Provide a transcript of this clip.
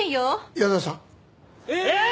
矢沢さん。ええーっ！